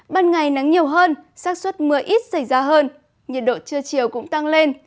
ban ngày nắng nhiều hơn sát xuất mưa ít xảy ra hơn nhiệt độ trưa chiều cũng tăng lên